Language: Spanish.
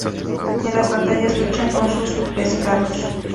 En las batallas lucha con sus pescados.